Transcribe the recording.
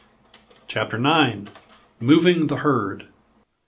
CHAPTER 9. Moving the Herd.